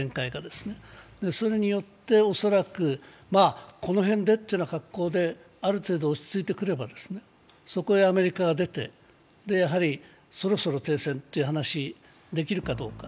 それによって恐らく、この辺でというような格好である程度落ち着いてくればそこへアメリカが出て、そろそろ停戦という話ができるかどうか。